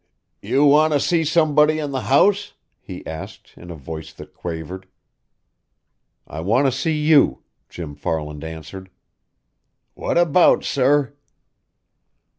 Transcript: "You want to see somebody in the house?" he asked, in a voice that quavered. "I want to see you," Jim Farland answered. "What about, sir?"